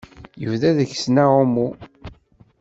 Yebda deg-sen aɛummu.